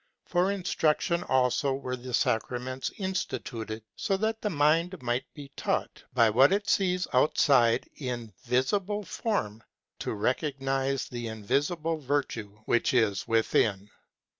For instruction also were the sacraments instituted, so that the mind might be taught by what it sees outside in visible form, to recog nize the invisible virtue which is within.